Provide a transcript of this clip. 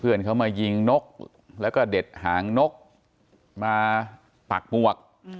เพื่อนเขามายิงนกแล้วก็เด็ดหางนกมาปักหมวก